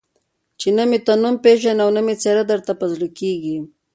چې نه مې ته نوم پېژنې او نه مې څېره در په زړه کېږي.